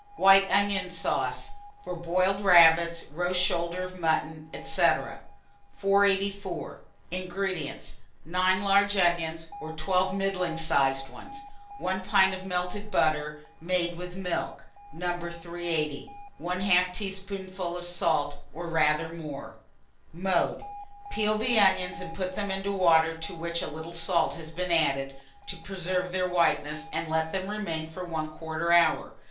WHITE ONION SAUCE, for Boiled Rabbits, Roast Shoulder of Mutton, &c. 484. INGREDIENTS. 9 large onions, or 12 middling sized ones, 1 pint of melted butter made with milk (No. 380), 1/2 teaspoonful of salt, or rather more. Mode. Peel the onions and put them into water to which a little salt has been added, to preserve their whiteness, and let them remain for 1/4 hour.